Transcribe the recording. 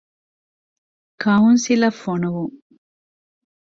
ކައުންސިލަށް ފޮނުވުން.